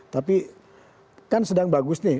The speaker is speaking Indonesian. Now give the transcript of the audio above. tapi kan sedang bagus nih